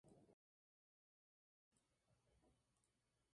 Subcampeón de España